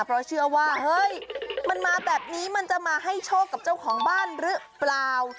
เพราะเชื่อว่าเฮ้ยมันมาแบบนี้มันจะมาให้โชคกับเจ้าของบ้านหรือเปล่า